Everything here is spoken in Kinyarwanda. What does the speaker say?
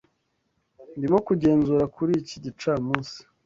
Ndimo kugenzura kuri iki gicamunsi.